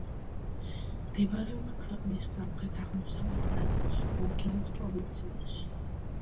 მდებარეობს ქვეყნის სამხრეთ-აღმოსავლეთ ნაწილში, ოლგინის პროვინციაში.